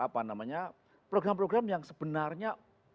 program program yang sebenarnya